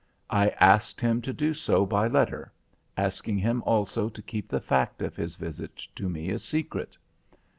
I asked him to do so by letter, asking him also to keep the fact of his visit to me a secret.